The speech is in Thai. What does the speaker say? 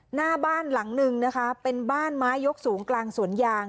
หน้าบ้านหลังนึงนะคะเป็นบ้านไม้ยกสูงกลางสวนยาง